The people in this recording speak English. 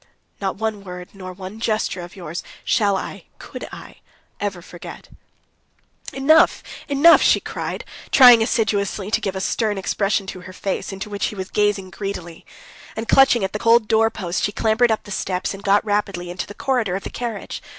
"Not one word, not one gesture of yours shall I, could I, ever forget...." "Enough, enough!" she cried trying assiduously to give a stern expression to her face, into which he was gazing greedily. And clutching at the cold door post, she clambered up the steps and got rapidly into the corridor of the carriage.